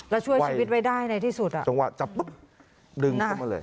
แล้วช่วยชีวิตไว้ได้ในที่สุดอ่ะจังหวะจับปุ๊บดึงเข้ามาเลย